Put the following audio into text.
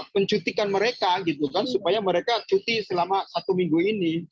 pencutikan mereka supaya mereka cuti selama satu minggu ini